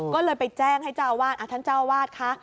ก็เลยไปแจ้งให้เจ้าอาวาสท่านเจ้าวาดคะ